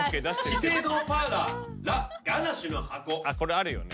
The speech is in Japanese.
あっこれあるよね。